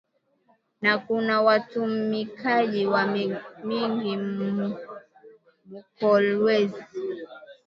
Na kuna watumikaji wa mingi mu kolwezi